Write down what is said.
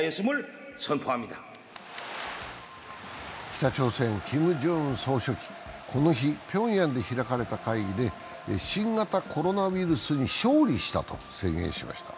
北朝鮮のキム・ジョンウン総書記、この日、ピョンヤンで開かれた会議で新型コロナウイルスに勝利したと宣言しました。